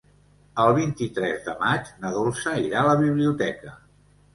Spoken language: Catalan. El vint-i-tres de maig na Dolça irà a la biblioteca.